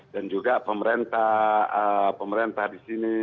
dan juga pemerintah disini